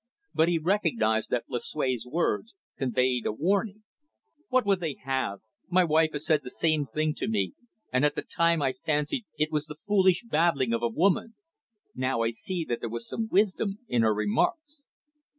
But he recognised that Lucue's words conveyed a warning. "What would they have? My wife has said the same thing to me, and at the time I fancied it was the foolish babbling of a woman. Now I see that there was some wisdom in her remarks."